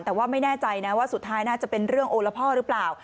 แต่ว่าไม่แน่ใจนะว่าสุดท้ายน่าจะเป็นเรื่องโอละพ่อหรือเปล่า